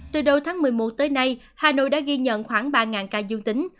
từ đầu tháng một mươi một tới nay hà nội đã ghi nhận khoảng ba ca dương tính